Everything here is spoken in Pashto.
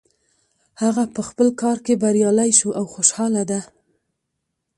هغه په خپل کار کې بریالی شو او خوشحاله ده